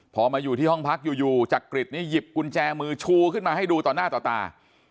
พอมาอยู่ที่ห้องพักอยู่จักริตนี่หยิบกุญแจมือชูขึ้นมาให้ดูต่อหน้าต่อตา